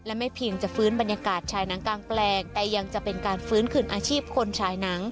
และไม่เพียงจะฟื้นบรรยากาศฉายหนังกลางแปลงแต่ยังจะเป็นการฟื้นคืนอาชีพคนฉายหนัง